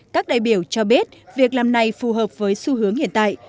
các đại biểu cho biết việc làm này phù hợp với xu hướng hiện tại